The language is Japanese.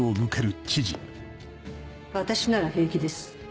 私なら平気です。